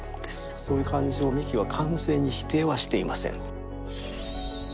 そういう感情を三木は完全に否定はしていません。